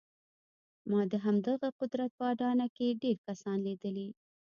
ما د همدغه قدرت په اډانه کې ډېر کسان ليدلي.